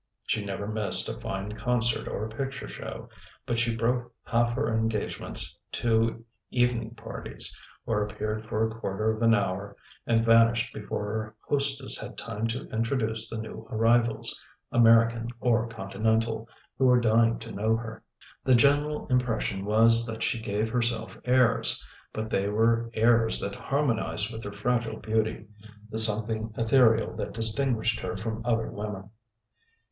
She never missed a fine concert or a picture show, but she broke half her engagements to evening parties, or appeared for a quarter of an hour and vanished before her hostess had time to introduce the new arrivals, American or continental, who were dying to know her. The general impression was that she gave herself airs: but they were airs that harmonised with her fragile beauty, the something ethereal that distinguished her from other women.